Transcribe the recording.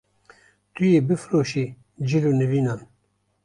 Tu yê bifroşî cil û nîvînan